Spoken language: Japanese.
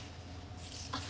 あっ。